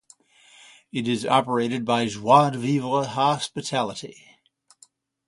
It is operated by Joie de Vivre Hospitality.